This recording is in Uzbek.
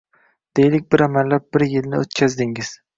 Deylik, bir amallab bir yilni oʻtkazdingiz